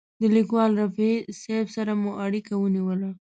له لیکوال رفیع صاحب سره مو اړیکه ونیوله.